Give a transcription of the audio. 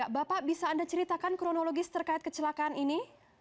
bapak bisa anda ceritakan kronologis terkait kecelakaan ini